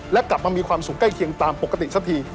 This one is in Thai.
และกลับมามีความสุขใกล้เคียงตามปกติสักที